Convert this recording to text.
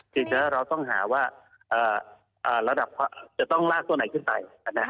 เดี๋ยวเราต้องหาว่าจะต้องลากตัวไหนขึ้นไป